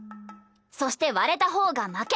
そして割れた方が負け！